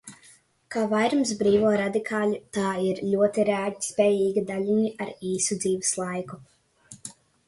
Kā vairums brīvo radikāļu, tā ir ļoti reaģētspējīga daļiņa ar īsu dzīves laiku.